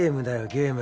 ゲーム。